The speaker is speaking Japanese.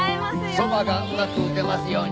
そばがうまく打てますように。